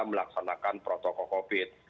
melaksanakan protokol covid